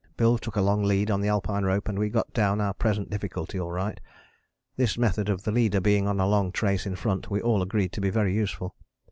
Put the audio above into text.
Bill took a long lead on the Alpine rope and we got down our present difficulty all right. This method of the leader being on a long trace in front we all agreed to be very useful.